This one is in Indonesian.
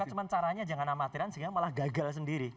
cuma caranya jangan amatiran sehingga malah gagal sendiri